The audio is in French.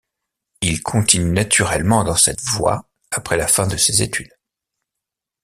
Il continue naturellement dans cette voie après la fin de ses études.